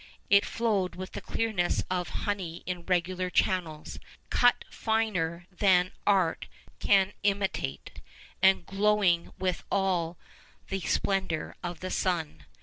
It flowed with the clearness of 'honey in regular channels, cut finer than art can imitate, and glowing with all the splendour of the sun.